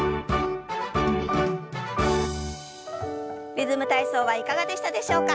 「リズム体操」はいかがでしたでしょうか。